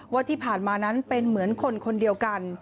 ว่าที่ผ่านมานั้นเป็นเหมือนคนคนเดียวกัน